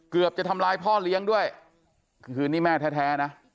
เกือบจะทำร้ายพ่อเลี้ยงด้วยคือนี่แม่แท้นะ